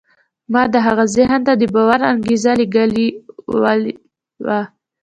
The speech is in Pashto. ما د هغه ذهن ته د باور انګېزه لېږدولې وه